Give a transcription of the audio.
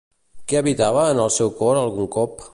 Què habitava en el seu cor algun cop?